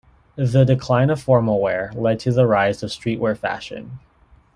The decline of formal wear led to the rise of streetwear fashion.